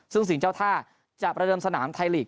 ซึ่งสิ่งเจ้าท่าจะประเดิมสนามไทยลีก